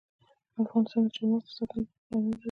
افغانستان د چار مغز د ساتنې لپاره قوانین لري.